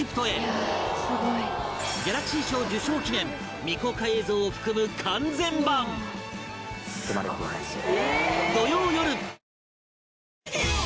ギャラクシー賞受賞記念未公開映像を含む完全版いってらっしゃい！